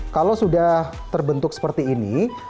kalau sudah terbentuk seperti ini